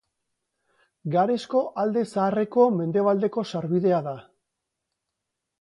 Garesko Alde Zaharreko mendebaldeko sarbidea da.